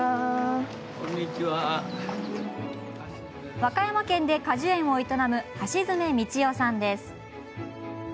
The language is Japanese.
和歌山県で果樹園を営む橋爪道夫さんです。